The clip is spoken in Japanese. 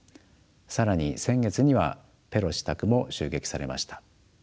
更に先月にはペロシ氏宅も襲撃されました。